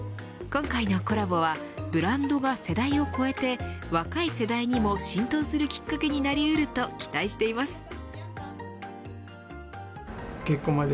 今回のコラボはブランドが世代を超えて若い世代にも浸透するきっかけになりうると期待しています。